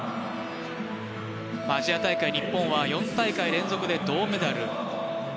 アジア大会、日本は４大会連続で銅メダル。